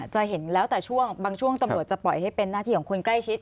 จะเห็นแล้วแต่ช่วงบางช่วงตำรวจจะปล่อยให้เป็นหน้าที่ของคนใกล้ชิด